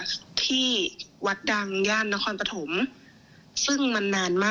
ไม่มีแน่นอนค่ะไปปรุกเสกที่ไหนคะ